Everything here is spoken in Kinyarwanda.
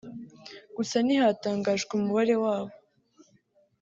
gusa ntihatangajwe umubare wabo